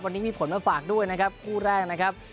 วันนี้มีผลมาฝากด้วยนะครับคู่แรกนะครับ